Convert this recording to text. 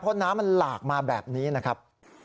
เพราะน้ำมันหลากมาแบบนี้นะครับ